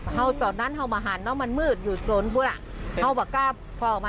เราตอนนั้นเรามาหารแล้วมันมืดอยู่โซนบ้านเราแบบกล้าพอมันอ่ะ